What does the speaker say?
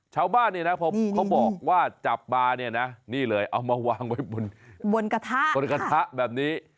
ชาวบ้านเนี่ยนะพอเขาบอกว่าจับมาเนี่ยนะนี่เลยเอามาวางไว้บนกระทะบนกระทะแบบนี้